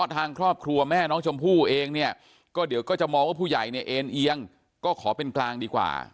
ทางพวกครัวแม่หรือน้องชมพู่จะรู้ได้ว่าผู้ใหญ่เอญเอิงจะขอเป็นกลางดีกว่า